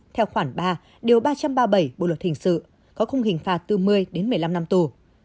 theo khoản ba điều ba trăm ba mươi bảy bộ luật hình sự có khung hình phạt từ một mươi đến một mươi năm năm tù